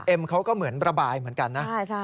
เขาก็เหมือนระบายเหมือนกันนะ